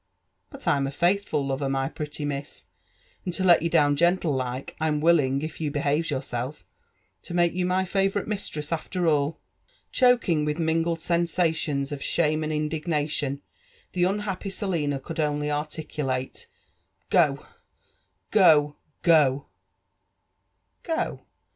But I'm afaithful lover, my pretty miss, and to let you down gentle like, I'm willing, if you behaves yourself, to make you my favourite mistress after all." Choking with mingled sensations of shame and indignation, the un h^.py Selina, could only articulate, Gol — go! — go I" "Go?